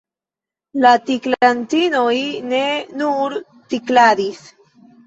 La tiklantinoj ne nur tikladis.